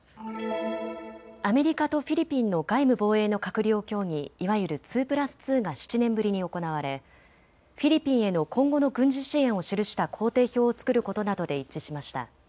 アメリカとフィリピンの外務・防衛の閣僚協議、いわゆる２プラス２が７年ぶりに行われフィリピンへの今後の軍事支援を記した工程表を作ることなどで一致しました。